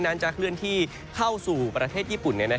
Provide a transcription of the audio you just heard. นั้นจะเคลื่อนที่เข้าสู่ประเทศญี่ปุ่น